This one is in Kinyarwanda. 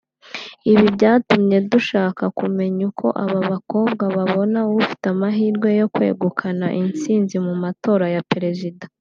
Ibi byatumye dushaka kumenya uko aba bakobwa babona ufite amahirwe yo kwegukana intsinzi mu matora ya Perezida